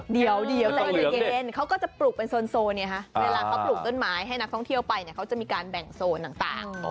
เดริ่ามันก็บ่าน